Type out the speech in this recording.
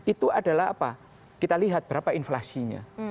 itu adalah apa kita lihat berapa inflasinya